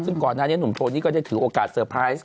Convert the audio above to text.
ซึ่งก่อนหน้านี้หนุ่มโทนี่ก็ได้ถือโอกาสเตอร์ไพรส์